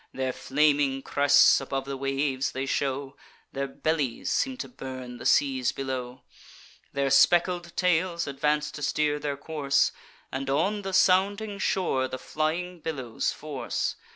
Their flaming crests above the waves they show; Their bellies seem to burn the seas below; Their speckled tails advance to steer their course, And on the sounding shore the flying billows force.